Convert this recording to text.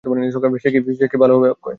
সে কি ভালো হবে অক্ষয়?